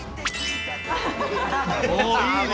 おいいね。